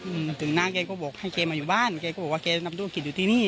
อืมถึงน่าเก๋ก็บอกให้เก๋มาอยู่บ้านเก๋ก็บอกว่าเก๋นำตัวผิดอยู่ที่นี่